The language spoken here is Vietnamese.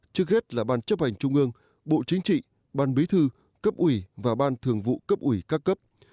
trước hết là ban chấp hành trung ương bộ chính trị ban bí thư cấp ủy và ban thường vụ cấp ủy các cấp